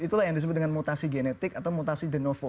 itulah yang disebut dengan mutasi genetik atau mutasi denovo